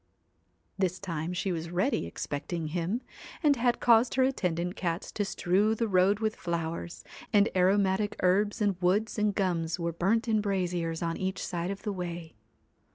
218 This time she was ready expecting him, and had THE caused her attendant cats to strew the road with flowers, and aromatic herbs and woods and gums were burnt in braziers on each side of the way.